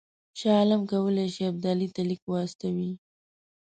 شاه عالم کولای شي ابدالي ته لیک واستوي.